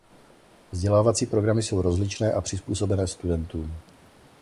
Vzdělávací programy jsou rozličné a přizpůsobené studentům.